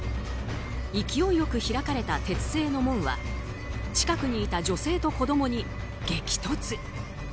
勢いよく開かれた鉄製の門は近くにいた女性と子供に激突。